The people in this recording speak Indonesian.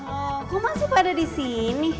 oh kok masih pada di sini